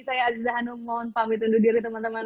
saya aziza hanum mohon pamit undur diri teman teman